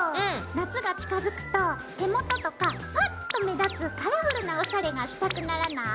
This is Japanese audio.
夏が近づくと手元とかパッと目立つカラフルなオシャレがしたくならない？